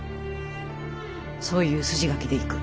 そういう筋書きでいく。